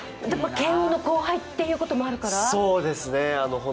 慶応の後輩ということもあるから？